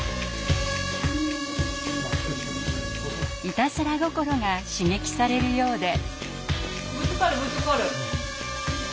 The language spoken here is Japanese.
いたずら心が刺激されるようで。